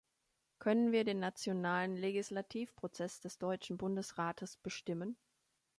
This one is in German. Können wir den nationalen Legislativprozess des deutschen Bundesrates bestimmen?